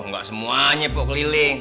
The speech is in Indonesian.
gak semuanya pokok keliling